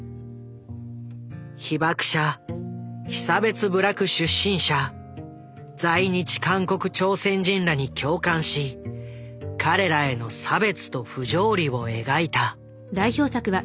被爆者被差別部落出身者在日韓国・朝鮮人らに共感し彼らへの差別と不条理を描いた。